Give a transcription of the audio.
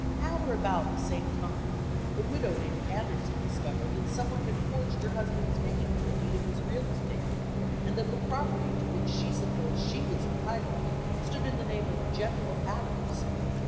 At or about the same time a widow named Anderson discovered that some one had forged her husband's name to a deed of his real estate, and that the property to which she supposed she was entitled stood in the name of "General" Adams.